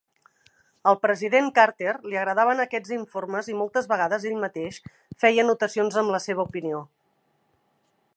Al president Carter li agradaven aquests informes i moltes vegades ell mateix feia anotacions amb la seva opinió.